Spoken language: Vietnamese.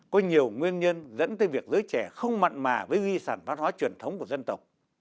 có nhiều nguyên nhân dẫn tới việc giới trẻ không mặn mà với di sản văn hóa truyền thống của dân tộc